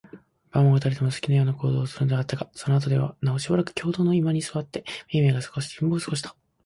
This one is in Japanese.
晩は、二人とも好きなような行動をするのではあったが、そのあとではなおしばらく共同の居間に坐って、めいめいが新聞を読んで過ごした。